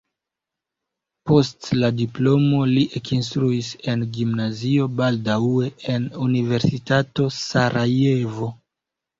Post la diplomo li ekinstruis en gimnazio, baldaŭe en universitato en Sarajevo.